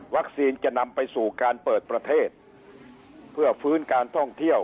จะนำไปสู่การเปิดประเทศเพื่อฟื้นการท่องเที่ยว